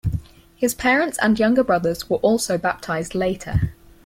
His parents and younger brothers were also baptized later.